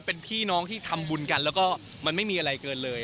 เป็นพี่น้องที่ทำบุญกันแล้วก็มันไม่มีอะไรเกินเลย